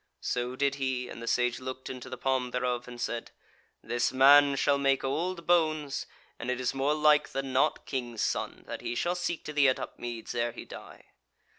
So did he, and the Sage looked into the palm thereof, and said: "This man shall make old bones, and it is more like than not, King's son, that he shall seek to thee at Upmeads ere he die."